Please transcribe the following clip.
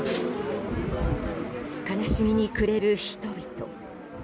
悲しみに暮れる人々。